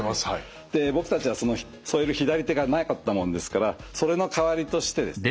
で僕たちはその添える左手がなかったもんですからそれの代わりとしてですね